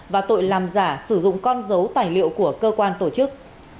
và tội làm giả sử dụng con dấu tài liệu của cơ quan tổ chức